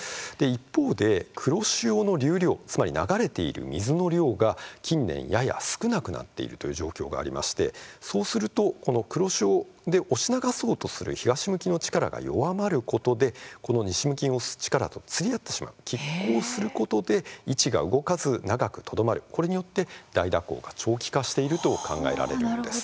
一方で、黒潮の流量つまり流れている水の量が近年、やや少なくなっているという状況がありましてそうすると、この黒潮で押し流そうとする東向きの力が弱まることでこの西向きの力と釣り合ってしまうきっ抗することで位置が動かず長くとどまるこれによって大蛇行が長期化していると考えられるんです。